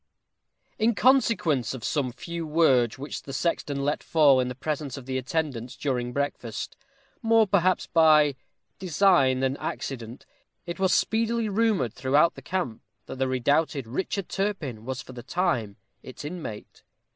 _ In consequence of some few words which the sexton let fall in the presence of the attendants, during breakfast, more perhaps by design than accident, it was speedily rumored throughout the camp that the redoubted Richard Turpin was for the time its inmate.